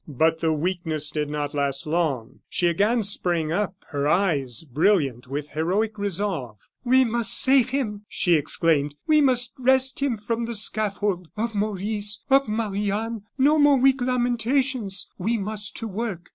But the weakness did not last long; she again sprang up, her eyes brilliant with heroic resolve. "We must save him!" she exclaimed. "We must wrest him from the scaffold. Up, Maurice! up, Marie Anne! No more weak lamentations, we must to work!